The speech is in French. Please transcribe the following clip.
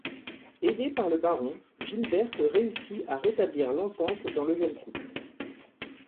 Aidée par le baron, Gilberte réussit à rétablir l'entente dans le jeune couple.